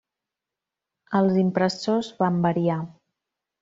Els impressors van variar.